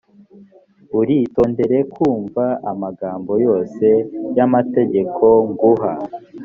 uritondere kumva amagambo yose y’amategeko nguha,